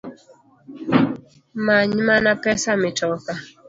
Manymana pesa mitoka